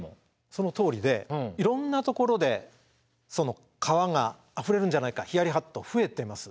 そのとおりでいろんなところで川があふれるんじゃないかヒヤリハット増えてます。